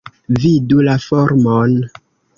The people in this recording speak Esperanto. Vidu la formon.